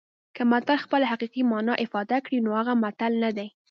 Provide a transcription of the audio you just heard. که متل خپله حقیقي مانا افاده کړي نو هغه متل نه دی